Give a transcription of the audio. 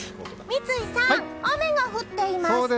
三井さん、雨が降っています。